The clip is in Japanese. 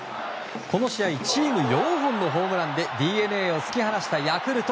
この試合チーム４本のホームランでＤｅＮＡを突き放したヤクルト。